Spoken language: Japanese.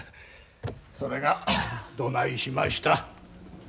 それがどないしました？